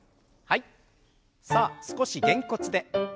さあ少しげんこつで。